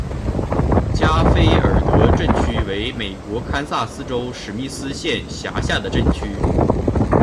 加菲尔德镇区为美国堪萨斯州史密斯县辖下的镇区。